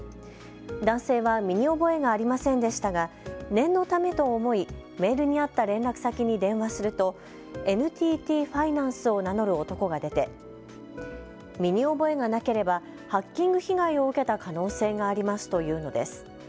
男性は身に覚えがありませんでしたが念のためと思い、メールにあった連絡先に電話するとＮＴＴファイナンスを名乗る男が出て身に覚えがなければハッキング被害を受けた可能性がありますというのです。